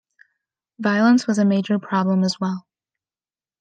Violence was a major problem as well.